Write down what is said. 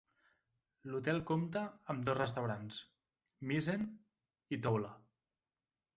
L'hotel compta amb dos restaurants, Mizzen i Toula.